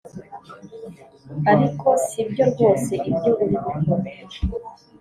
ariko si byo rwose ibyo uri gukora